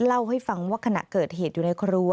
เล่าให้ฟังว่าขณะเกิดเหตุอยู่ในครัว